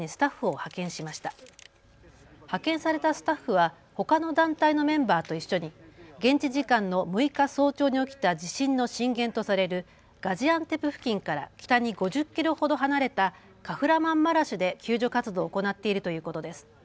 派遣されたスタッフはほかの団体のメンバーと一緒に現地時間の６日早朝に起きた地震の震源とされるガジアンテプ付近から北に５０キロほど離れたカフラマンマラシュで救助活動を行っているということです。